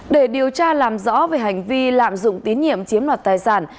để điều tra làm rõ về hành vi lạm dụng tín nhiệm chiếm đoạt tài sản